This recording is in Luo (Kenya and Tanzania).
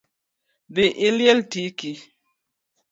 Dhii iliel tiki